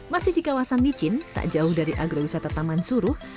masih di kawasan licin tak jauh dari agrowisata taman suruh